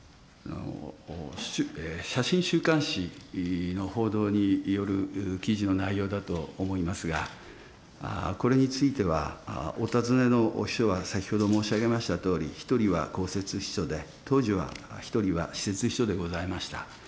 写真週刊誌の報道による記事の内容だと思いますが、これについては、お尋ねの秘書は申し上げましたとおり、１人は公設秘書で、当時は１人は私設秘書でございました。